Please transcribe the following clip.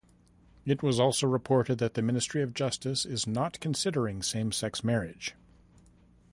It was also reported that the Ministry of Justice is not considering same-sex marriage.